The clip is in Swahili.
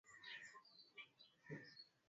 katika vita ya wenyewe kwa wenyewe ya Vietnam